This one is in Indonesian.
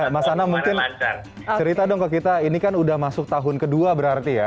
mas anam mungkin cerita dong ke kita ini kan udah masuk tahun kedua berarti ya